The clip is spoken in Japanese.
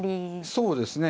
そうですね。